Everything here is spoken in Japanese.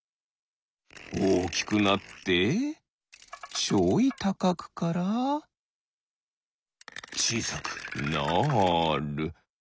おおきくなってちょいたかくからちいさくなる。